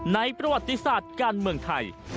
ประวัติศาสตร์การเมืองไทย